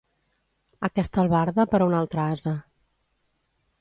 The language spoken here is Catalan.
Aquesta albarda per a un altre ase.